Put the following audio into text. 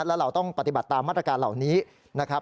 แล้วเราต้องปฏิบัติตามมาตรการเหล่านี้นะครับ